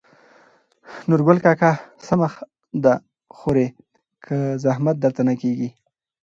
نورګل کاکا: سمه ده خورې که زحمت درته نه کېږي.